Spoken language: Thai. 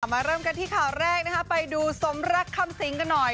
มาเริ่มกันที่ข่าวแรกนะคะไปดูสมรักคำสิงกันหน่อย